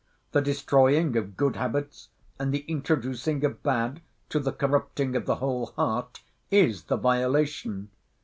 The destroying of good habits, and the introducing of bad, to the corrupting of the whole heart, is the violation.